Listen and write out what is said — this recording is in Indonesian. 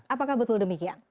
apakah betul demikian